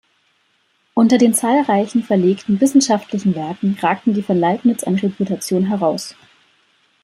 Unter den zahlreichen verlegten wissenschaftlichen Werken ragten die von Leibniz an Reputation heraus.